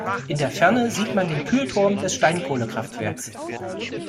In der Ferne sieht man den Kühlturm des Steinkohlekraftwerks.